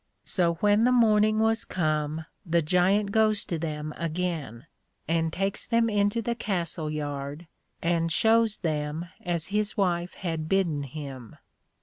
So when the morning was come, the Giant goes to them again, and takes them into the Castle yard and shews them as his Wife had bidden him.